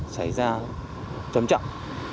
xảy ra trầm trọng